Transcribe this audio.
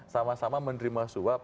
sama sama menerima suap